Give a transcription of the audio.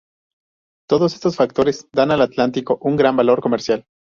Todos estos factores, dan al Atlántico un gran valor comercial.